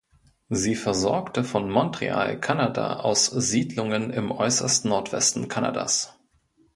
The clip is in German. Sie versorgte von Montreal, Kanada, aus Siedlungen im äußersten Nordwesten Kanadas.